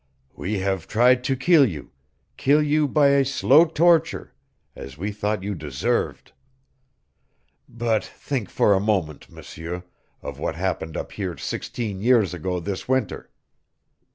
We have tried to kill you kill you by a slow torture, as we thought you deserved. But think for a moment, M'seur, of what happened up here sixteen years ago this winter.